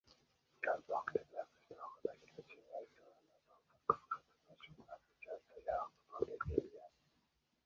Yalpoqtepa qishlogʻidagi ichimlik suvi nasosi qisqa tutashuv natijasida yaroqsiz holga kelgan.